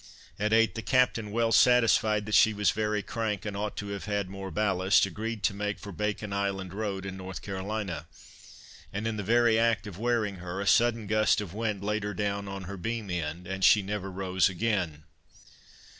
At eight, the captain well satisfied that she was very crank and ought to have had more ballast, agreed to make for Bacon Island Road, in North Carolina; and in the very act of wearing her, a sudden gust of wind laid her down on her beam end, and she never rose again!